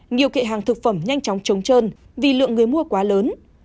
nhiều kệ hàng thực phẩm nhanh chóng trống trơn vì lượng người mua quá lớn